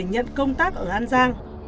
nhận công tác ở an giang